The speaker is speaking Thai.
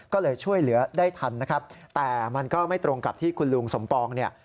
ก็เลยช่วยเหลือได้ทันนะครับแต่มันก็ไม่ตรงกับที่คุณลุงสมปองเนี่ย